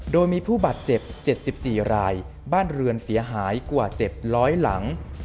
โดยมีผู้บาดเจ็บ๗๔รายบ้านเรือนเสียหายกว่า๗๐๐หลัง